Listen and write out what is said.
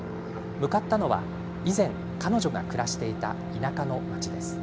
向かったのは、以前彼女が暮らしていた田舎の町です。